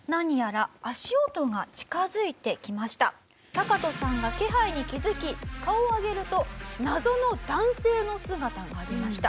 タカトさんが気配に気づき顔を上げると謎の男性の姿がありました。